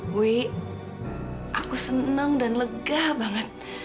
wuih aku seneng dan lega banget